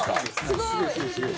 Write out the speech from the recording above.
すごい！